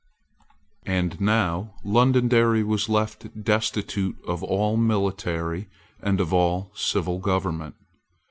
And now Londonderry was left destitute of all military and of all civil government.